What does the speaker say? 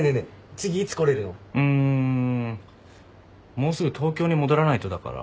もうすぐ東京に戻らないとだから。